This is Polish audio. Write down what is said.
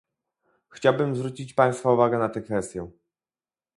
Chciałbym zwrócić państwa uwagę na tę kwestię